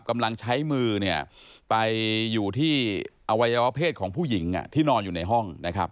อวัยวเพศของผู้หญิงที่นอนอยู่ในห้อง